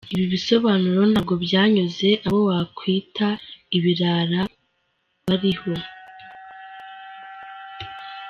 Ibi bisobanuro ntabwo byanyuze abo wakwita ibirara bari aho.